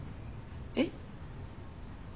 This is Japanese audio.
えっ？